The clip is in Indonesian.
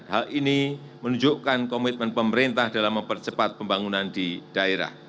hal ini menunjukkan komitmen pemerintah dalam mempercepat pembangunan di daerah